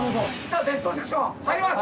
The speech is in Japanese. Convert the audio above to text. デッドセクション入ります！